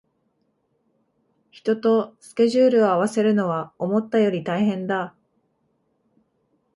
人とスケジュールを合わせるのは思ったより大変だ